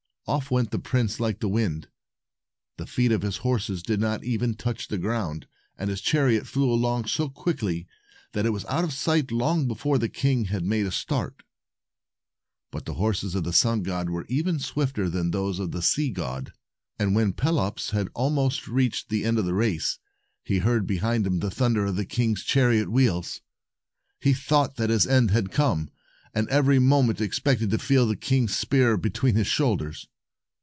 Off went the prince like the wind. The feet of his horses did not even touch the ground, and the chariot flew along so quickly, that it was out of sight long before the king had made a start. But the horses of the sun god were even swifter than those of the sea god, and when Pelops had 265 almost reached the end of the race, he heard behind him the thunder of the kings chariot wheels. He thought that his end had come, and every moment expected to feel the king's spear be tween his shoulders.